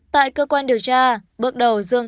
tại cơ quan điều tra bước đầu dương